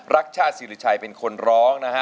รักชาติศิริชัยเป็นคนร้องนะฮะ